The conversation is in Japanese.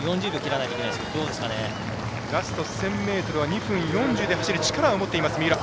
ラスト１０００ｍは２分４０で走る力を持っている三浦。